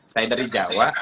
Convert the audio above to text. saya dari jawa